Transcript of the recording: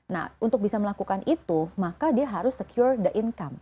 nah untuk bisa melakukan itu maka dia harus secure the income